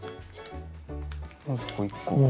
まずここ一個。